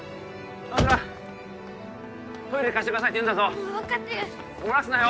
青空「トイレ貸してください」って言うんだぞうん分かってる漏らすなよ